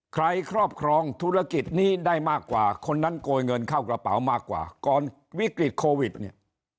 ครอบครองธุรกิจนี้ได้มากกว่าคนนั้นโกยเงินเข้ากระเป๋ามากกว่าก่อนวิกฤตโควิดเนี่ย